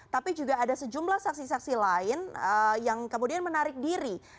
tapi juga ada sejumlah saksi saksi lain yang kemudian menarik diri